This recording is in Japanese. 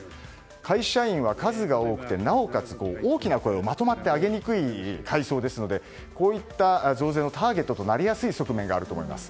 会社員は数が多くてなおかつ大きな声をまとまって上げにくい階層ですのでこういった増税のターゲットとなりやすい側面があると思います。